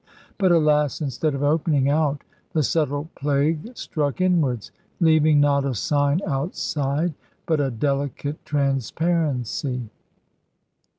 But, alas! instead of opening out, the subtle plague struck inwards, leaving not a sign outside, but a delicate transparency.